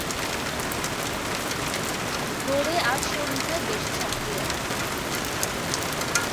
ভোরে আর সন্ধ্যায় বেশি সক্রিয় থাকে।